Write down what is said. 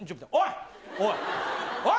おい！